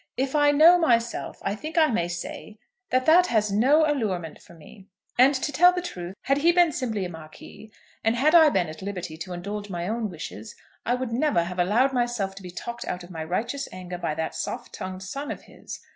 "If I know myself, I think I may say that that has no allurement for me. And, to tell the truth, had he been simply a Marquis, and had I been at liberty to indulge my own wishes, I would never have allowed myself to be talked out of my righteous anger by that soft tongued son of his.